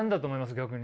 逆に。